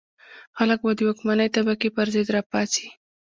خلک به د واکمنې طبقې پر ضد را پاڅي.